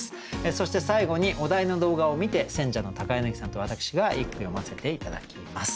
そして最後にお題の動画を観て選者の柳さんと私が一句詠ませて頂きます。